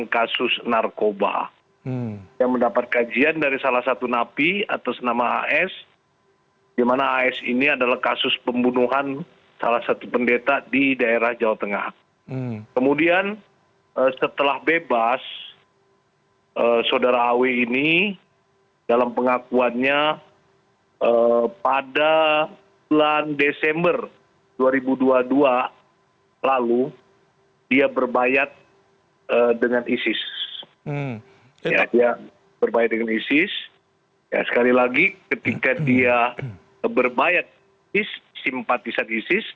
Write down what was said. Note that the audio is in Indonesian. kami akan mencari penangkapan teroris di wilayah hukum sleman